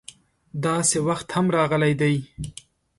داسې وخت هم راغلی دی.